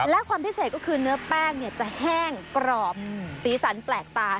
และความพิเศษก็คือเนื้อแป้งจะแห้งกรอบสีสันแปลกตา